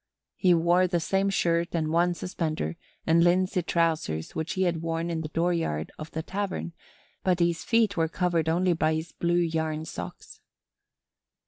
He wore the same shirt and one suspender and linsey trousers which he had worn in the dooryard of the tavern, but his feet were covered only by his blue yarn socks.